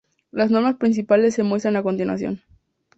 Las normas principales se muestran a continuación.